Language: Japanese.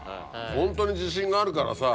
ホントに自信があるからさ